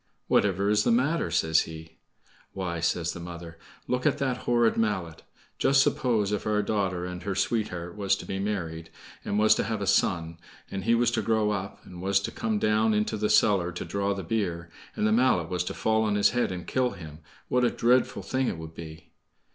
"Whatever is the matter?" says he. "Why," says the mother, "look at that horrid mallet. Just suppose, if our daughter and her sweetheart was to be married, and was to have a son, and he was to grow up, and was to come down into the cellar to draw the beer, and the mallet was to fall on his head and kill him, what a dreadful thing it would be!"